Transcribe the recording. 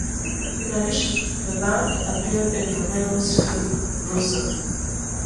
In addition, the band appeared in Romero's film "Bruiser".